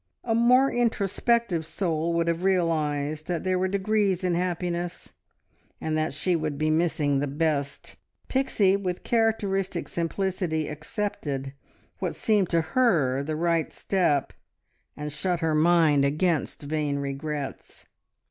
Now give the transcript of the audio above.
A more introspective soul would have realised that there were degrees in happiness, and that she would be missing the best; Pixie with characteristic simplicity accepted what seemed to her the right step, and shut her mind against vain regrets.